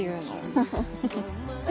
フフフ。